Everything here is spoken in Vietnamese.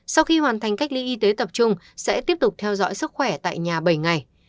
sau khi hoàn thành cách ly y tế tập trung sẽ tiếp tục theo dõi sức khỏe tại nhà bảy ngày